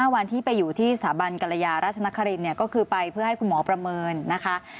วันที่ไปอยู่ที่สถาบันกรยาราชนครินก็คือไปเพื่อให้คุณหมอประเมินนะคะ